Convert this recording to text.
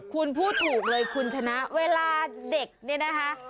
คุณพูดถูกเลยคุณชนะเวลาเด็กเนี่ยนะคะ